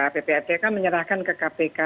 ppatk menyerahkan ke kpk